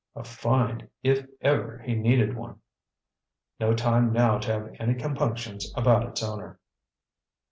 A find, if ever he needed one. No time now to have any compunctions about its owner.